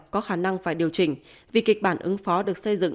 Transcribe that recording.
có khả năng phải điều chỉnh vì kịch bản ứng phó được xây dựng